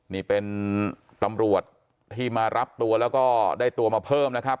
นี่เป็นตำรวจที่มารับตัวแล้วก็ได้ตัวมาเพิ่มนะครับ